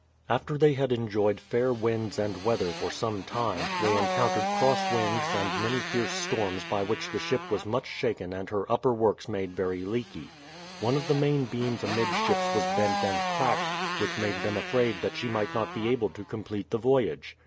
After they had enjoyed fair winds and weather for some time, they encountered cross winds and many fierce storms by which the ship was much shaken and her upper works made very leaky. One of the main beams amid ships was bent and cracked, which made them afraid that she might not be able to complete the voyage.